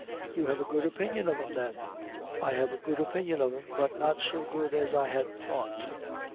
"You have a good opinion of him, then?" "I have a good opinion of him, but not so good as I had thought."